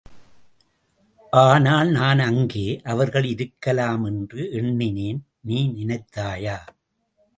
ஆனால் நான் அங்கே அவர்கள் இருக்கலாமென்று எண்ணினேன். நீ நினைத்தாயா?